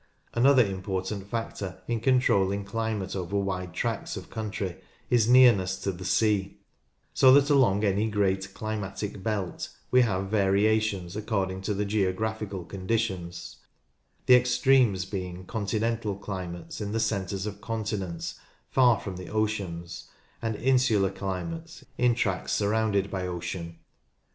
Another important factor in controlling climate over wide tracts of country is nearness to the sea ; so that along any great climatic belt we have variations according to the geographical conditions, the extremes being "continental climates" in the centres of continents far from the oceans, and "insular climates" in tracts surrounded by ocean.